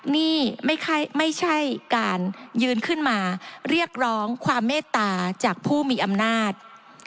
นี่ไม่ใช่การยืนขึ้นมาเรียกร้องความเมตตาจากผู้มีอำนาจ